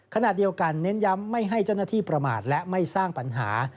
ขณะเดียวกันเน้นย้ำไม่ให้เจ้าหน้าที่ประมาทและไม่สร้างปัญหา